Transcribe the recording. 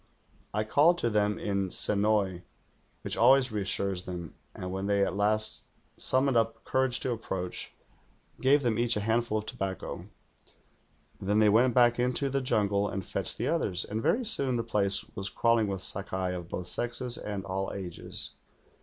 I called to them in Se noi*, which always reassures them, and when they at last sum moned up courage to approach, gave them each a handful of tobacco. Then they went back into the jungle and fetched the others, and very soon the place was crawling with Stlkai of both sexes and all ages.